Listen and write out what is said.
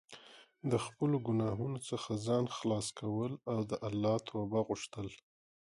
د خپلو ګناهونو څخه ځان خلاص کول او د الله توبه غوښتل.